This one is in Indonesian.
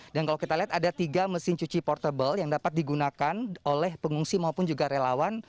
dan kalau kita lihat ada tiga mesin cuci portable yang dapat digunakan oleh pengungsi maupun juga relawan